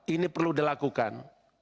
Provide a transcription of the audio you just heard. ini perlu dilakukan